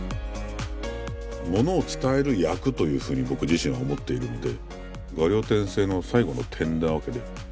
ものを伝える役というふうに僕自身は思っているので「画竜点睛」の最後の点なわけで。